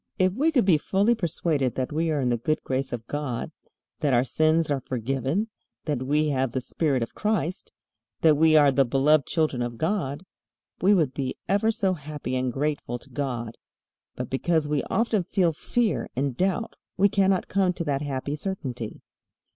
If we could be fully persuaded that we are in the good grace of God, that our sins are forgiven, that we have the Spirit of Christ, that we are the beloved children of God, we would be ever so happy and grateful to God. But because we often feel fear and doubt we cannot come to that happy certainty.